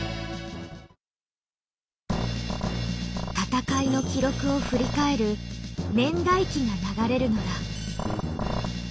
戦いの記録を振り返る年代記が流れるのだ。